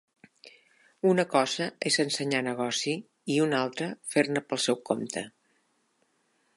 Una cosa es ensenyar negoci i un altra fer-ne pel seu compte